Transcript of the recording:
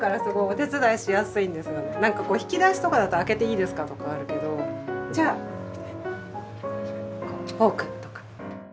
何かこう引き出しとかだと「開けていいですか？」とかあるけどじゃあこうフォークとか。